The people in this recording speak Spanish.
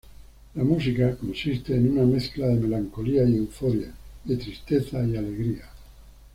La música consiste en una mezcla de melancolía y euforia, de tristeza y alegría.